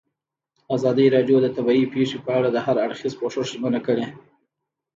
ازادي راډیو د طبیعي پېښې په اړه د هر اړخیز پوښښ ژمنه کړې.